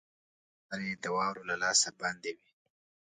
لاري د واورو له لاسه بندي وې.